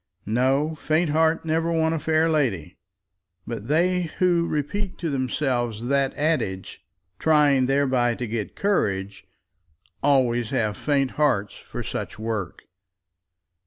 No; faint heart never won a fair lady; but they who repeat to themselves that adage, trying thereby to get courage, always have faint hearts for such work.